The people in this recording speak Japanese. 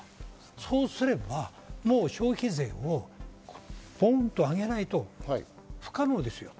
そうすれば消費税をボンとあげないと不可能ですと。